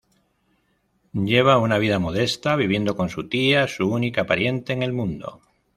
Lleva una vida modesta viviendo con su tía, su única pariente en el mundo.